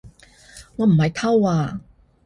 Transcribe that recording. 我唔係偷啊